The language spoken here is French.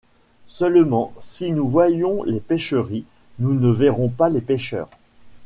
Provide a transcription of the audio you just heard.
Seulement, si nous voyons les pêcheries, nous ne verrons pas les pêcheurs.